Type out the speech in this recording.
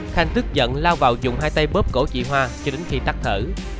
khanh tức giận lao vào dùng hai tay bớt cổ chị hoa cho đến khi tắt thở